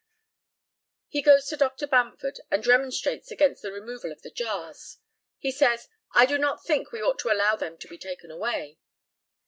He goes to Dr. Bamford, and remonstrates against the removal of the jars. He says, "I do not think we ought to allow them to be taken away."